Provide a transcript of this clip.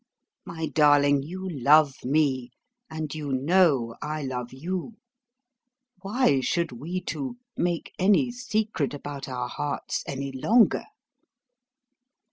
My darling, you love me, and you know I love you. Why should we two make any secret about our hearts any longer?"